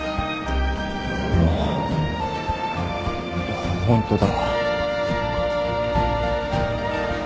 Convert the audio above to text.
ああホントだ。